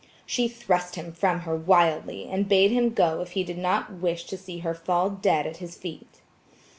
She thrust him from her wildly, and bade him go if he did not wish to see her fall dead at his feet.